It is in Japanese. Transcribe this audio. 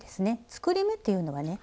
作り目っていうのはね